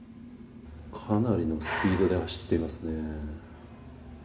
かなりのスピードで走っていますね。